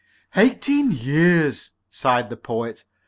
"Eighteen years," sighed the Poet.